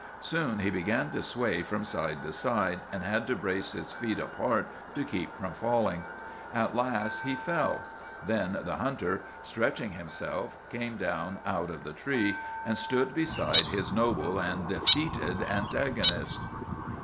"Soon he began to sway from side to side, and had to brace his feet apart to keep from falling. At last he fell. Then the hunter, stretching himself, came down out of the tree and stood beside his noble and defeated antagonist.